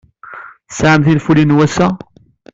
Tesɛam tinfulin n wass-a?